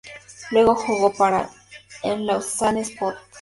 Luego jugó para el Lausanne-Sports.